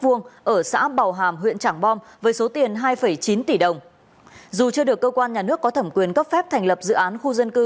ở xã bảo hàm huyện trảng bom với số tiền hai chín tỷ đồng